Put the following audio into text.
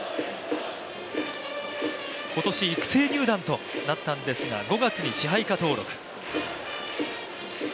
今年育成入団となったんですが、５月に支配下登録。